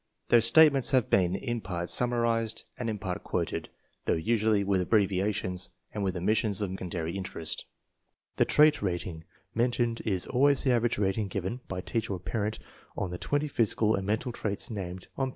Their statements have been in part summarized and in part quoted, though usually with abbreviations and with omissions of matters of secondary interest. The "trait rating" mentioned is always the average rating given (by teacher or parent) on FORTY ONE SUPERIOR CHILDREN 195 physical and mental traits named on p.